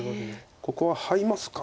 「ここはハイますか？」